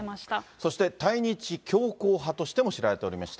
そして対日強硬派としても知られておりまして。